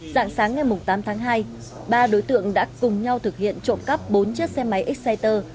dạng sáng ngày tám tháng hai ba đối tượng đã cùng nhau thực hiện trộm cắp bốn chiếc xe máy exciter